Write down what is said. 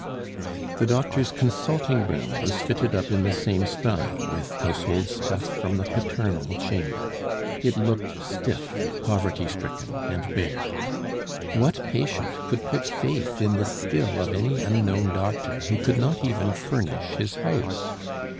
The doctor's consulting room was fitted up in the same style, with household stuff from the paternal chamber. It looked stiff, poverty stricken, and bare. What patient could put faith in the skill of any unknown doctor who could not even furnish his house?